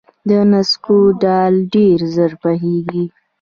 د نسکو دال ډیر ژر پخیږي.